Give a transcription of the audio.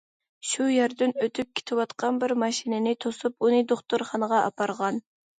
شۇ يەردىن ئۆتۈپ كېتىۋاتقان بىر ماشىنىنى توسۇپ ئۇنى دوختۇرخانىغا ئاپارغان.